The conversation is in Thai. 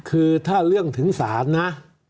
คือถ้าเรื่องถึงศาลนะ